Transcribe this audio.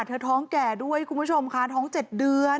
ท้องแก่ด้วยคุณผู้ชมค่ะท้อง๗เดือน